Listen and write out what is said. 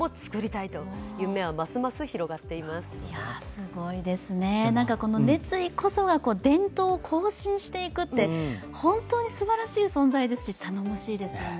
すごいですね、この熱意こそが伝統を更新していくって、本当にすばらしい存在ですし、頼もしいですよね。